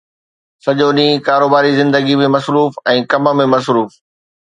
سڄو ڏينهن ڪاروباري زندگيءَ ۾ مصروف ۽ ڪم ۾ مصروف